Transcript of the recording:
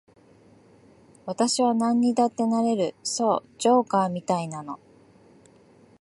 私はなんにだってなれる、そう、ジョーカーみたいなの。